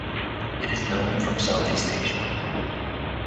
It is known from southeast Asia.